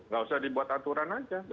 tidak usah dibuat aturan saja